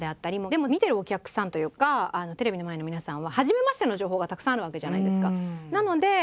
でも見てるお客さんというかテレビの前の皆さんは「初めまして」の情報がたくさんあるわけじゃないですか。